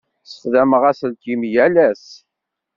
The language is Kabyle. Ssexdameɣ aselkim yal ass.